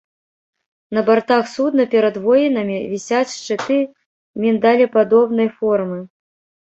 На бартах судна перад воінамі вісяць шчыты міндалепадобнай формы.